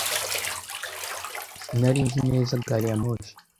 Sinari nzi neza gari ya moshi.